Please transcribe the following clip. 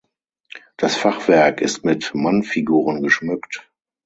Das Fachwerk ist mit Mannfiguren geschmückt.